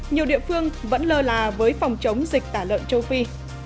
nhiều địa phương vẫn lơ là với phòng chống dịch tả lợn châu phi